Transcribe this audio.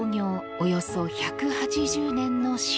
およそ１８０年の老舗。